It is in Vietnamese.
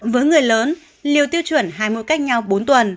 với người lớn liều tiêu chuẩn hai mỗi cách nhau bốn tuần